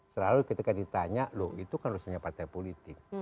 selalu ketika ditanya loh itu kan harusnya partai politik